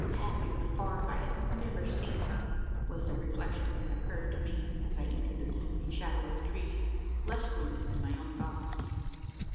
"Happier far if I had never seen her!" was the reflection that occurred to me, as I entered the gloomy shadow of the trees less gloomy than my own thoughts.